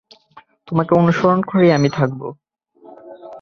তোমাকে অনুসরণ করেই আমি থাকবো।